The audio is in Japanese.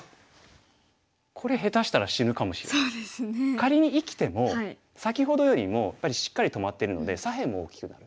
仮に生きても先ほどよりもやっぱりしっかり止まってるので左辺も大きくなる。